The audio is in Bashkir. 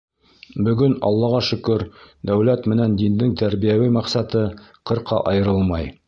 Бөгөн, Аллаға шөкөр, дәүләт менән диндең тәрбиәүи маҡсаты ҡырҡа айырылмай.